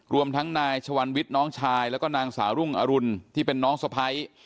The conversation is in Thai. รวมทั้งนายชวันวิทย์น้องชายแล้วก็นางสาวรุ่งอรุณที่เป็นน้องสะพ้าย